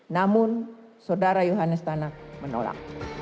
namun saudara juhani stanak menolak